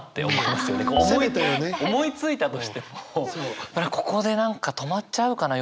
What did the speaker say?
思いついたとしてもここで何か止まっちゃうかな？